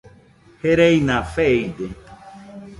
Gereina feide